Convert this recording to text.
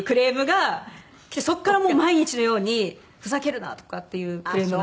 そこからもう毎日のように「ふざけるな」とかっていうクレームが。